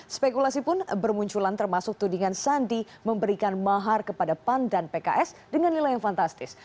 spekulasi pun bermunculan termasuk tudingan sandi memberikan mahar kepada pan dan pks dengan nilai yang fantastis